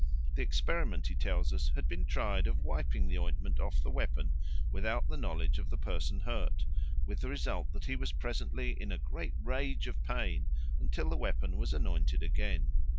The experiment, he tells us, had been tried of wiping the ointment off the weapon without the knowledge of the person hurt, with the result that he was presently in a great rage of pain until the weapon was anointed again.